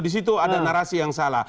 di situ ada narasi yang salah